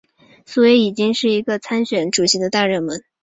所以已经是一个参选主席的大热门。